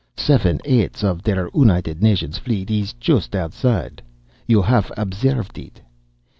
"Sefen eights of der United Nations fleet is just outside. You haff observed it.